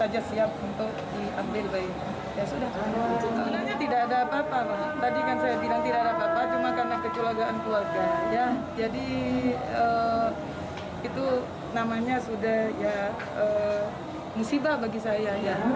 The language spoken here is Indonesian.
jadi itu namanya sudah ya musibah bagi saya